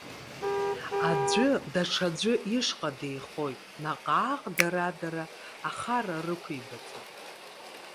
Аӡәы, даҽаӡәы ишҟа деихоит, наҟ-ааҟ дара-дара ахара рықәеибаҵоит.